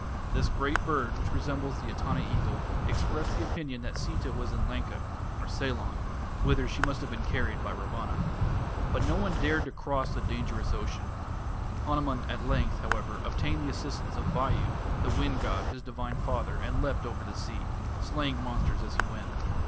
This great bird, which resembles the Etana eagle, expressed the opinion that Sita was in Lanka (Ceylon), whither she must have been carried by Ravana. But no one dared to cross the dangerous ocean. Hanuman at length, however, obtained the assistance of Vayu, the wind god, his divine father, and leapt over the sea, slaying monsters as he went.